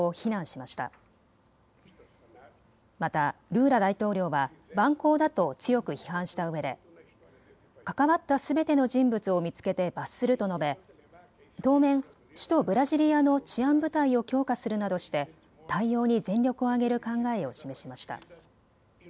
またルーラ大統領は蛮行だと強く批判したうえで、関わったすべての人物を見つけて罰すると述べ当面首都ブラジリアの治安部隊を強化するなどして対応に全力を挙げる考えを示しました。